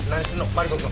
マリコ君。